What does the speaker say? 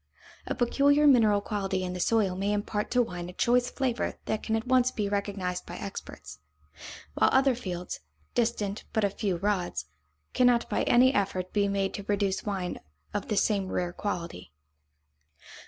A peculiar mineral quality in the soil may impart to wine a choice flavor that can at once be recognized by experts; while other fields, distant but a few rods, cannot by any effort be made to produce wine of the same rare quality.